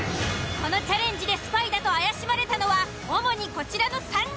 このチャレンジでスパイだと怪しまれたのは主にこちらの３人。